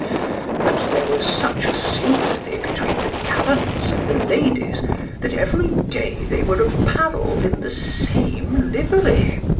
but there was such a sympathy betwixt the gallants and the ladies, that every day they were apparelled in the same livery.